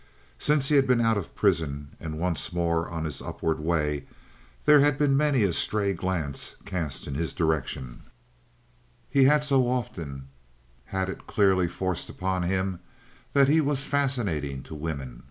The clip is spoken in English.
Since he had been out of prison and once more on his upward way there had been many a stray glance cast in his direction; he had so often had it clearly forced upon him that he was fascinating to women.